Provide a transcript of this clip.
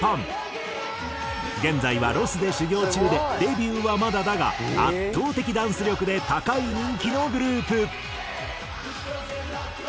現在はロスで修業中でデビューはまだだが圧倒的ダンス力で高い人気のグループ。